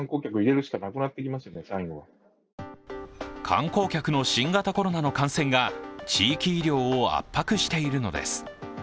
観光客の新型コロナの感染が地域医療を圧迫しているのです。